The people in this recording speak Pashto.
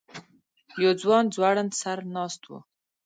یو ځوان ځوړند سر ناست و.